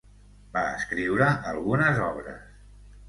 Va escriure algunes obres.